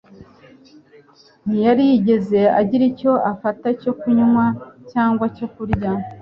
ntiyari yigeze agira icyo afata cyo kunywa cyangwa cyo kurya.